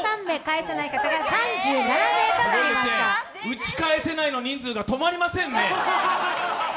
打ち返せないの人数が止まりませんね。